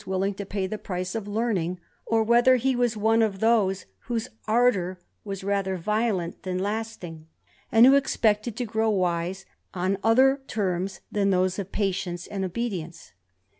183 ing to pay the price of learning ; or whether he F those whose ardour was rather violeot than I who expected to grow wise on other terms than tience and obedience.